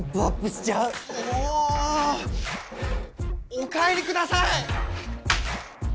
お帰りください！